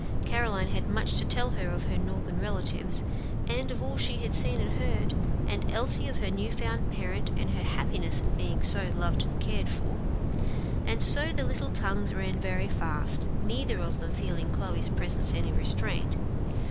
Caroline had much to tell of her Northern relatives, and of all she had seen and heard, and Elsie of her new found parent, and her happiness in being so loved and cared for; and so the little tongues ran very fast, neither of them feeling Chloe's presence any restraint.